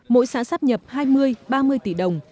mỗi xã sắp nhập hai mươi ba mươi tỷ đồng